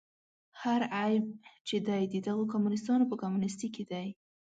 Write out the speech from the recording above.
هر عیب چې دی د دغو کمونیستانو په کمونیستي کې دی.